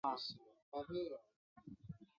绿袖蝶属是蛱蝶科釉蛱蝶亚科中的一个属。